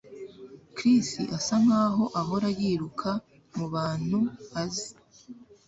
Chris asa nkaho ahora yiruka mubantu azi